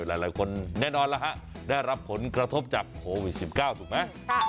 หลายคนแน่นอนแล้วฮะได้รับผลกระทบจากโควิด๑๙ถูกไหม